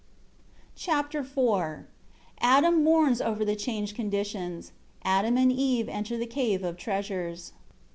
Chapter IV Adam mourns over the changed conditions. Adam and Eve enter the Cave of Treasures.